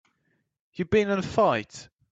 You been in a fight?